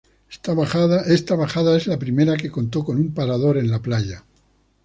Esta bajada es la primera que contó con un parador en la playa.